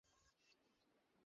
আমিও আপনাকে কিছু বলতে চাই।